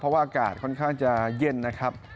เพราะว่าอากาศค่อนข้างจะเย็นนะครับ